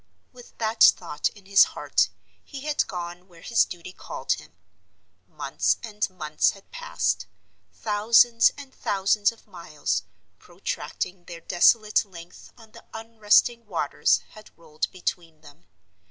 With that thought in his heart, he had gone where his duty called him. Months and months had passed; thousands and thousands of miles, protracting their desolate length on the unresting waters had rolled between them.